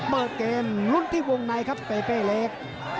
เปิดเกมรุ่นที่วงในครับเปเป้เล็ก